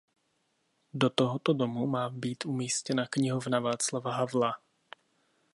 Do tohoto domu má být umístěna Knihovna Václava Havla.